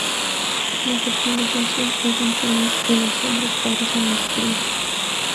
La fertilización es interna y las hembras paren las crías.